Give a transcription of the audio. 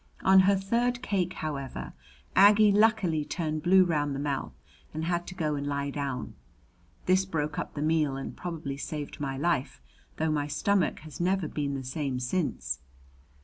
On her third cake, however, Aggie luckily turned blue round the mouth and had to go and lie down. This broke up the meal and probably saved my life, though my stomach has never been the same since.